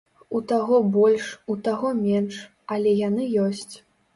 У таго больш, у таго менш, але яны ёсць.